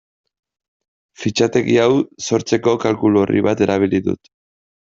Fitxategi hau sortzeko kalkulu-orri bat erabili dut.